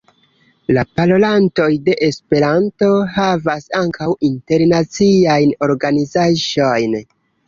La parolantoj de Esperanto havas ankaŭ internaciajn organizaĵojn.